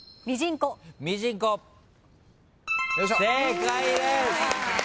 正解です。